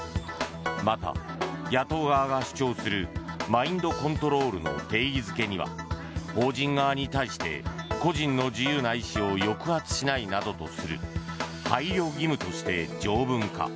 また、野党側が主張するマインドコントロールの定義付けには法人側に対して個人の自由な意思を抑圧しないなどとする配慮義務として条文化。